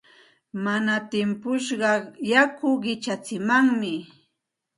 Mana timpushqa yaku qichatsimanmi.